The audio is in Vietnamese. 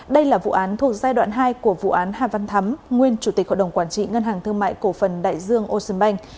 đây là vụ án thuộc giai đoạn hai của vụ án hà văn thắm nguyên chủ tịch hội đồng quản trị ngân hàng thương mại cổ phần đại dương ocean bank